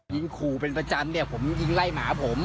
ยิงขู่เป็นประจำผมยิงไล่หมาผม